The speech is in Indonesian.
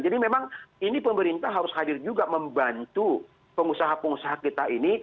jadi memang ini pemerintah harus hadir juga membantu pengusaha pengusaha kita ini